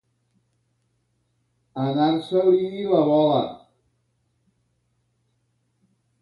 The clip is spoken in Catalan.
Anar-se-li'n la bola.